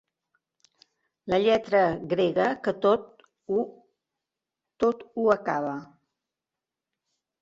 La lletra grega que tot ho acaba.